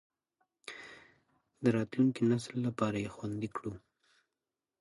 د راتلونکي نسل لپاره یې خوندي کړو.